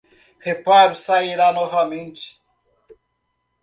Reparo sairá novamente